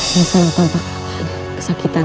di sana tanpa kesakitan